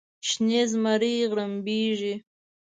شنې زمرۍ غړمبیږې